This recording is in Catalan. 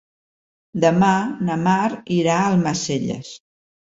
Demà na Mar irà a Almacelles.